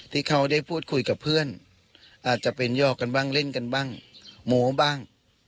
ที่เขาได้พูดคุยกับเพื่อนอาจจะเป็นยอกกันบ้างเล่นกันบ้างโม้บ้าง